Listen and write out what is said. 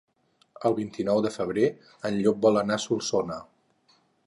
El vint-i-nou de febrer en Llop vol anar a Solsona.